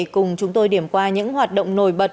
cùng chúng tôi điểm qua những hoạt động nổi bật